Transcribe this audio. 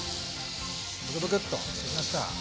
ブクブクッとしてきました。